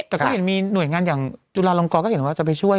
แต่ก็เห็นมีหน่วยงานอย่างจุฬาลงกรก็เห็นว่าจะไปช่วย